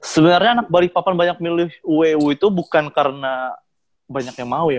sebenarnya anak balikpapan banyak milih u itu bukan karena banyak yang mau ya